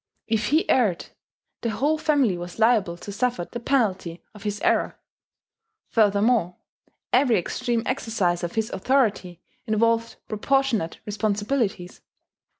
If he erred, the whole family was liable to suffer the penalty of his error. Furthermore, every extreme exercise of his authority involved proportionate responsibilities.